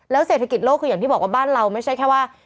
เศรษฐกิจโลกคืออย่างที่บอกว่าบ้านเราไม่ใช่แค่ว่า